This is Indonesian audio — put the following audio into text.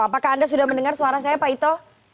apakah anda sudah mendengar suara saya pak ito